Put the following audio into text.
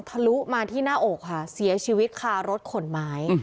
ลุมาที่หน้าอกค่ะเสียชีวิตคารถขนไม้